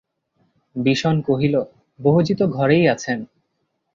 বিষন কহিল, বহুজি তো ঘরেই আছেন।